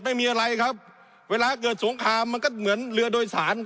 ไม่มีอะไรครับเวลาเกิดสงครามมันก็เหมือนเรือโดยสาร